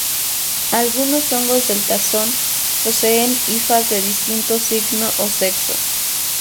Algunos hongos del taxón poseen hifas de distinto signo o sexo.